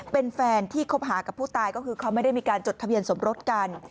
เป็นแฟนที่คบหากับผู้ตายก็คือเขาไม่ได้มีการจดทะเบียนสมรสกัน